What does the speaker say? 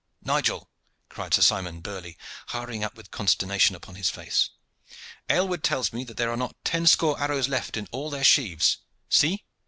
"Nigel!" cried Sir Simon Burley, hurrying up with consternation upon his face, "Aylward tells me that there are not ten score arrows left in all their sheaves. See!